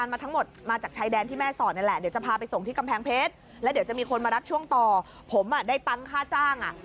และมาจากไม่ส่องที่กำแพงเพชรแล้วจะมีคนมารักช่วงต่อผมมาได้ตั้งค่าจ้าง